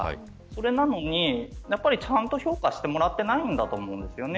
それなのに、ちゃんと評価してもらっていないんだと思うんです。